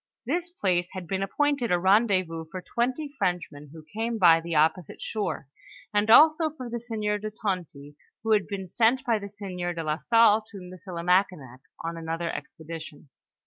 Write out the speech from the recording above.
This place had been ap pointed a rendezvous for twenty Frenchmen, who came by the opposite shore, and also for the sieur de Tonty, who had been sent by the sieur do la Salle to Miesilimakinak on another expedition.